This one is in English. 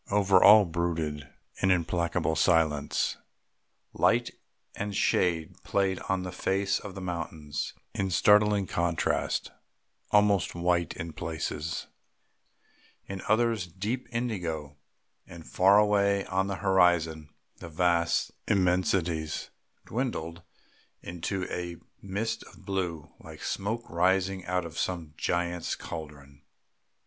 Over all brooded an implacable silence; light and shade played on the face of the mountains in startling contrast, almost white in places, in others deep indigo; and far away on the horizon the vast immensities dwindled into a mist of blue, like smoke rising out of some giant's caldron.